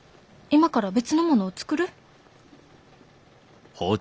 今から別のものを作る？